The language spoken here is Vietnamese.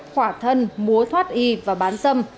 khỏa thân mua thoát y và bán dâm